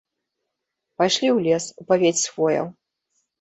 Пайшлі ў лес, у павець з хвояў.